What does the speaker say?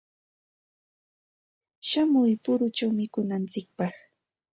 Shamuy puruchaw mikunantsikpaq.